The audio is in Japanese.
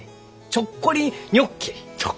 ちょっこりニョッキリ！？